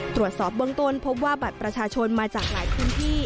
ตรวจสอบเบื้องต้นพบว่าบัตรประชาชนมาจากหลายพื้นที่